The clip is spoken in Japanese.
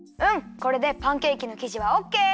これでパンケーキのきじはオッケー！